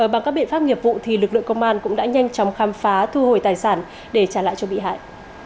bằng các biện pháp nghiệp vụ lực lượng công an cũng đã nhanh chóng khám phá thu hồi tài sản để trả lại cho bị hại